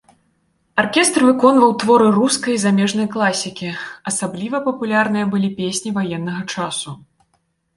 Аркестр выконваў творы рускай, замежнай класікі, асабліва папулярныя былі песні ваеннага часу.